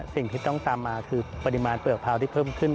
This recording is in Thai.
สิ่งที่ต้องตามมาคือปริมาณเปลือกพร้าวที่เพิ่มขึ้น